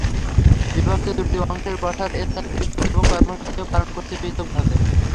বিভক্ত দুটি অংশের বসার স্থান পৃথক এবং কর্মসূচিও পালন করেছে পৃথকভাবে।